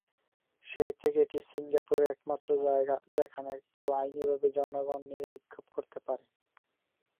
সেই থেকে, এটি সিঙ্গাপুরে একমাত্র জায়গা যেখানে কেউ আইনিভাবে জনগণ নিয়ে বিক্ষোভ করতে পারে।